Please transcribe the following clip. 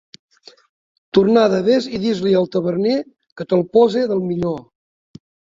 Tornada: Ves i dis-li al taverner que te’l pose del millor.